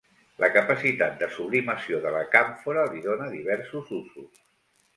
La capacitat de sublimació de la càmfora li dóna diversos usos.